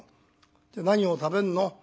「で何を食べんの？」。